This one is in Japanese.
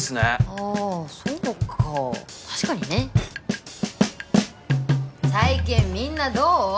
あぁそうか確かにね最近みんなどう？